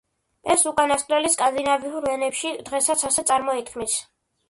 ეს უკანასკნელი სკანდინავიურ ენებში დღესაც ასე წარმოითქმის.